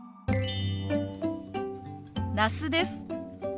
那須です。